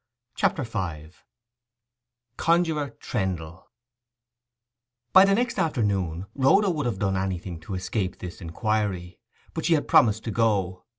CHAPTER V—CONJUROR TRENDLE By the next afternoon Rhoda would have done anything to escape this inquiry. But she had promised to go.